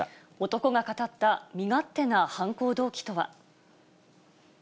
男が語った身勝手な犯行動機とは。